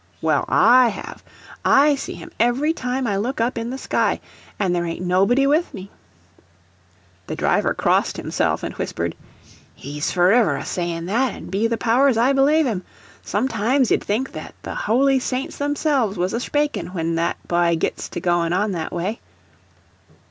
"Well, I have; I see him every time I look up in the sky, and there ain't nobody 'with me." The driver crossed himself and whispered, "He's foriver a sayin' that, an' be the powers, I belave him. Sometimes ye'd think that the howly saints thimselves was a sphak in' whin that bye gits to goin' on that way."